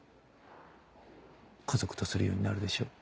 家族とするようになるでしょう。